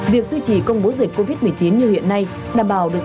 việc tuy chỉ công bố dịch covid một mươi chín như hiện nay đảm bảo được